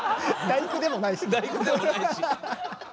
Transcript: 「第９」でもないし。